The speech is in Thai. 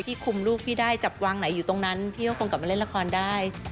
คุมลูกพี่ได้จับวางไหนอยู่ตรงนั้นพี่ก็คงกลับมาเล่นละครได้